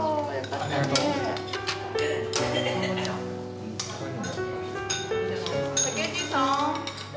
ありがとう。